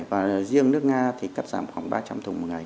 và riêng nước nga thì cắt giảm khoảng ba trăm linh thùng